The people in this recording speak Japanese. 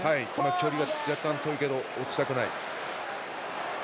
距離は若干遠いけど落ちたくない。